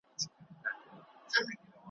زلمي به خاندي په شالمار کي ,